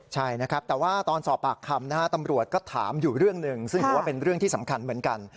ใช่นะครับแต่ว่าตอนสอบปากคำนะฮะตำรวจก็ถามอยู่เรื่องหนึ่งซึ่งถือว่าเป็นเรื่องที่สำคัญเหมือนกัน